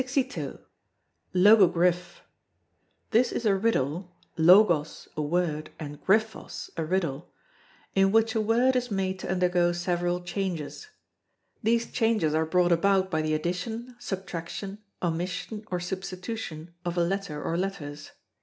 Logogriph. This is a riddle (logos, a word, and griphos, a riddle) in which a word is made to undergo several changes. These changes are brought about by the addition, subtraction, omission, or substitution of a letter or letters.